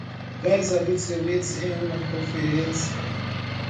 Vários adultos reunidos em uma conferência.